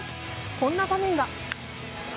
こんな場面が。